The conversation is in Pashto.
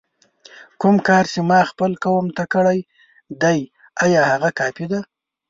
کوم کار چې ما خپل قوم ته کړی دی آیا هغه کافي دی؟!